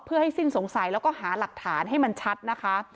เพื่อให้สิ้นสงสัยแล้วก็หาหลักฐานให้มันชัดนะคะ